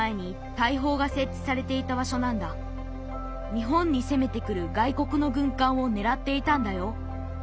日本に攻めてくる外国の軍艦をねらっていたんだよ。